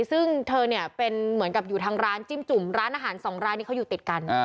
ซึ่งเธอเนี่ยเป็นเหมือนกับอยู่ทางร้านจิ้มจุ่มร้านอาหารสองร้านนี้เขาอยู่ติดกัน